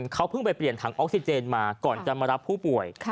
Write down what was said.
เขาเพิ่งไปเปลี่ยนถังออกซิเจนมาก่อนจะมารับผู้ป่วย